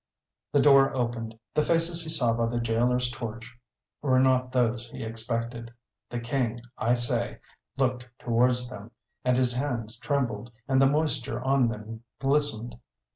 The door opened. The faces he saw by the gaoler's torch were not those he expected. The King, I say, looked towards them, and his hands trembled, and the moisture on them glistened.